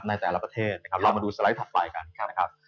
ในแต่ละประเทศนะครับ